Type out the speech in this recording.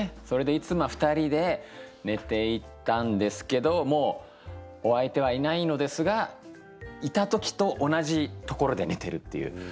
それでいつもは２人で寝ていたんですけどもうお相手はいないのですがいた時と同じところで寝てるっていう。